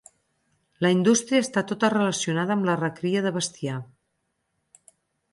La indústria està tota relacionada amb la recria de bestiar.